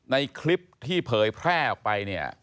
ในคลิปที่เผยแพร่ออกไปเนี่ย